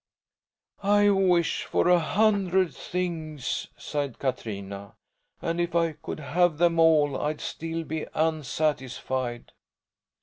"I wish for a hundred things!" sighed Katrina, "and if I could have them all I'd still be unsatisfied."